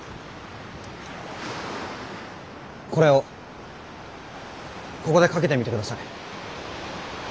これをここでかけてみてください。